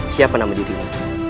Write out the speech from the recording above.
siapa nama dirimu